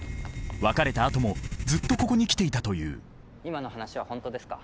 別れたあともずっとここに来ていたという今の話は本当ですか？